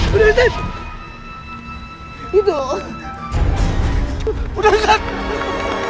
bang ustadz udah ustadz